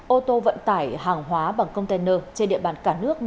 ô tô vận tải hàng hóa bằng container trên địa bàn cả nước